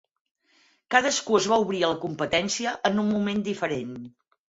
Cadascú es va obrir a la competència en un moment diferent.